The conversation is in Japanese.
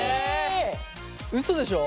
うそでしょ！